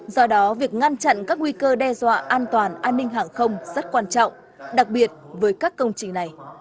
do đó việc ngăn chặn các nguy cơ đe dọa an toàn an ninh hàng không rất quan trọng đặc biệt với các công trình này